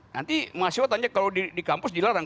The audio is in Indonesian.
nanti mahasiswa tanya kalau di kampus dilarang